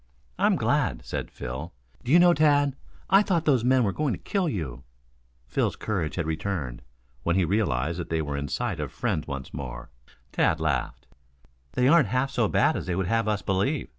"I'm glad," said Phil, "do you know, Tad, I thought those men were going to kill you." Phil's courage had returned, when he realized that they were in sight of friends once more. Tad laughed. "They aren't half so bad as they would have us believe.